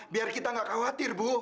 biar kita nggak khawatir bu